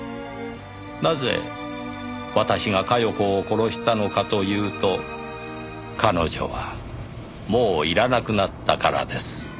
「なぜ私が加世子を殺したのかというと彼女はもういらなくなったからです」